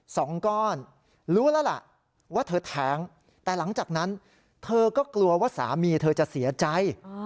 สองก้อนรู้แล้วล่ะว่าเธอแท้งแต่หลังจากนั้นเธอก็กลัวว่าสามีเธอจะเสียใจ